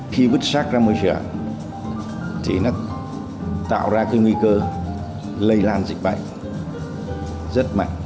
khi vứt sát ra môi trường thì nó tạo ra cái nguy cơ lây lan dịch bệnh rất mạnh